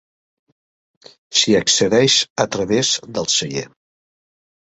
S'hi accedeix a través del celler.